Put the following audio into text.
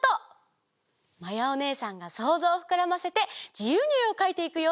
まやおねえさんがそうぞうをふくらませてじゆうにえをかいていくよ！